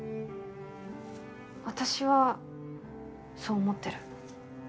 私はそう思ってる。